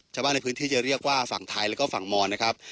ชาวบ้านในพื้นที่จะเรียกว่าฝั่งไทยแล้วก็ฝั่งมอนนะครับ